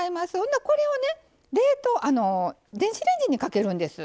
これをね電子レンジにかけるんです。